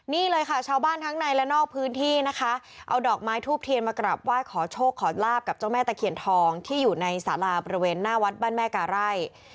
นี่เลยค่ะชาวบ้านทั้งในและนอกพื้นที่นะคะเอาดอกไม้ทูบเทียนมากราบไหว้ขอโชคขอลาบกับเจ้าแม่ตะเคียนทองที่อยู่ในสาราบริเวณหน้าวัดบ้านแม่กาไร่